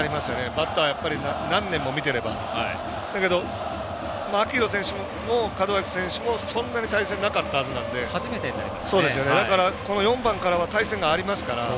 バッター、何年も見ていればだけど、秋広選手も門脇選手もそんなに対戦なかったはずなんでこの４番からは対戦がありますから。